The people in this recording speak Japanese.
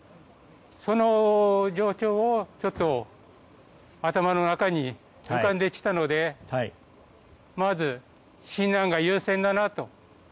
その状況が頭の中に浮かんできたのでまず、避難が優先だなと。